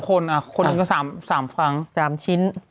๓คนคนหนึ่งก็๓ชิ้น